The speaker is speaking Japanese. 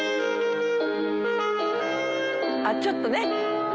あちょっとね